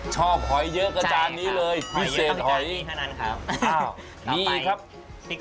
ชอบหอยเยอะกับจานนี้เลยพิเศษหอยเยอะกับจานนี้เท่านั้นครับอ้าว